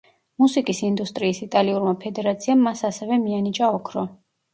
მუსიკის ინდუსტრიის იტალიურმა ფედერაციამ მას ასევე მიანიჭა ოქრო.